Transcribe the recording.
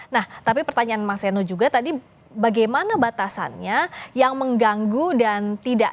nah tapi pertanyaan mas seno juga tadi bagaimana batasannya yang mengganggu dan tidak